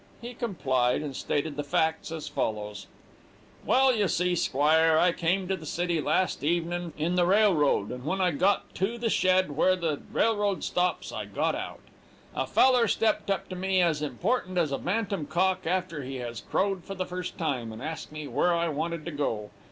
He complied, and stated the facts as follows: "'Well, you see, squire, I come to the city last evenin' from Albany, in the railroad, and when I got tu the shed where the railroad stops, I got out. A feller stepped up to me as important as a bantam cock after he has crowed for the first time, and asked me where I wanted to go.